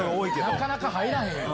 なかなか入らへんよ。